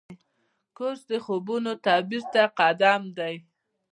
کورس د خوبونو تعبیر ته قدم دی.